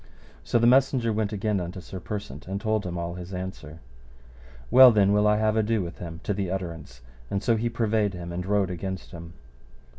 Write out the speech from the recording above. So the messenger went again unto Sir Persant and told him all his answer. Well then will I have ado with him to the utterance, and so he purveyed him and rode against him.